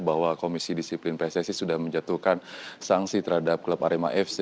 bahwa komisi disiplin pssi sudah menjatuhkan sanksi terhadap klub arema fc